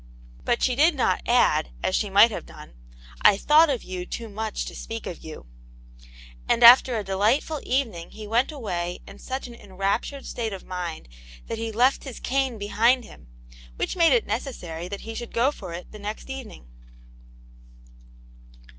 But she did not add, as she might have done, " I thought of you too much to speak of you," and after a delightful evening he went away in such an enraptured state of mind that he left his cane behind him, whicli made it necessary that he should go for it the next evening.